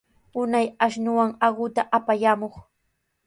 Unay ashnuwan aquta apayamuq.